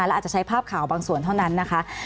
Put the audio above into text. และอาจจะใช้ภาพข่าวบางส่วนเท่านั้นนะคะ